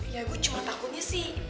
ya gue cuma takutnya sih